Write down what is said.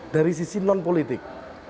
dari sisi non politik